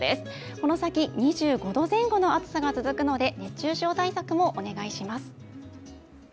この先、２５度前後の暑さが続くので熱中症対策もお願いします。